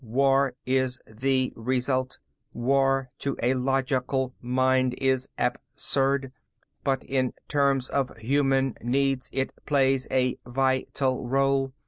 War is the result. War, to a logical mind, is absurd. But in terms of human needs, it plays a vital role.